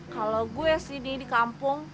kalau gua sini di kampung